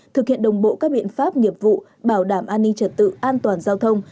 thực hiện đồng bộ các biện pháp nghiệp vụ bảo đảm an ninh trật tự an toàn giao thông